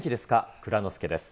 蔵之介です。